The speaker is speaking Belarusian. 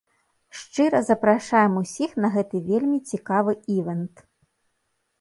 Шчыра запрашаем усіх на гэты вельмі цікавы івэнт.